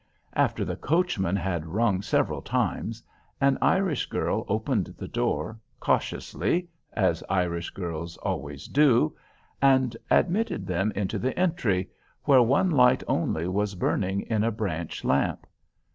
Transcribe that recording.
After the coachman had rung several times, an Irish girl opened the door, cautiously (as Irish girls always do), and admitted them into the entry, where one light only was burning in a branch lamp.